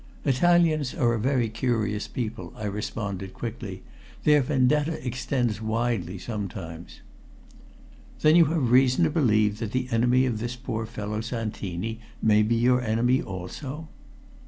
"Italians are a very curious people," I responded quickly. "Their vendetta extends widely sometimes." "Then you have reason to believe that the enemy of this poor fellow Santini may be your enemy also?"